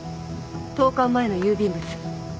投函前の郵便物。